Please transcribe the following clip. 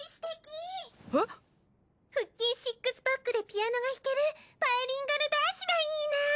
腹筋シックスパックでピアノが弾けるバイリンガル男子がいいな。